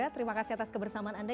terima kasih atas kebersamaan anda